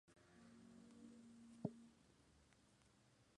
El "The Sun" era el más políticamente conservador de los tres.